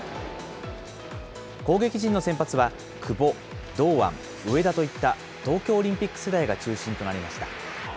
攻撃陣の先発は、久保、堂安、上田といった、東京オリンピック世代が中心となりました。